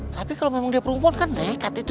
tapi kalo memang dia perempuan kan dekat itu